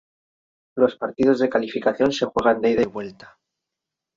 Los partidos de calificación se juegan de ida y vuelta.